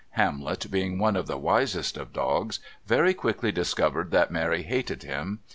Hamlet, being one of the wisest of dogs, very quickly discovered that Mary hated him.